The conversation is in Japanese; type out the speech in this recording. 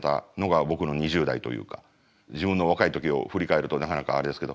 自分の若い時を振り返るとなかなかあれですけど。